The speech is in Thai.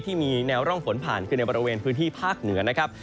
ที่มีแนวร่องฝนผ่านคือในบริเวณพื้นที่ภาคเหนือนะครับ